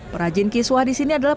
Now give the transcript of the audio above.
perajin kiswah di sini adalah